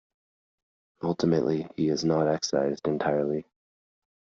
Ultimately, he is not excised entirely.